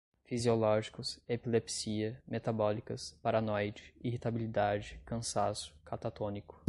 fisiológicos, epilepsia, metabólicas, paranoide, irritabilidade, cansaço, catatônico